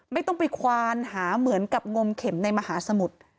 ไม่ต้องไปควานหาเหมือนกับงมเข็มในมหาสมุทร